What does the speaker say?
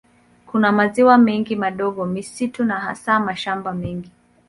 Kuna maziwa mengi madogo, misitu na hasa mashamba mengi.